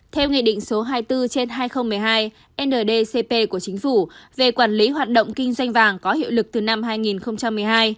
theo nghị định số hai mươi bốn trên hai nghìn một mươi hai ndcp của chính phủ về quản lý hoạt động kinh doanh vàng có hiệu lực từ năm hai nghìn một mươi hai